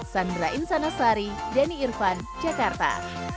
sandra insanasari denny irvan jakarta